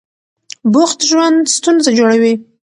بوخت ژوند ستونزه جوړوي.